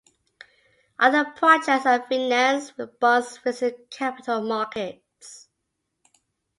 Other projects are financed with bonds raised in capital markets.